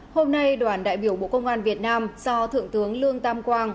hôm nay đoàn đại biểu bộ công an việt nam do thượng tướng lương tam quang